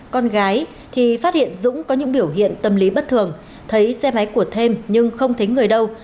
con gái thì phát hiện dũng có những biểu hiện tâm lý bất thường thấy xe máy của thêm nhưng không thấy người đâu